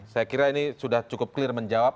saya kira ini sudah cukup clear menjawab